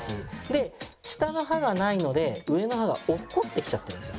で下の歯がないので上の歯が落っこってきちゃってるんですよ。